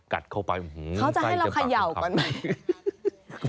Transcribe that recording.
กัดเข้าไปเขาจะให้เราเขย่าก่อนไหม